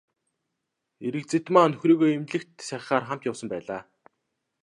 Эрэгзэдмаа нөхрийгөө эмнэлэгт сахихаар хамт явсан байлаа.